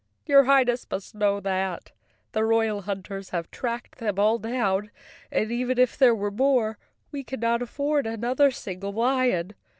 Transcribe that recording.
"Your Highness must know that. The royal hunters have tracked them all down, and even if there were more, we cannot afford another single lion.